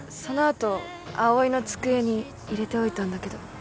その後葵の机に入れておいたんだけど。